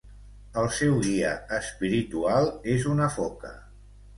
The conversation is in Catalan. El seu guia espiritual és una foca.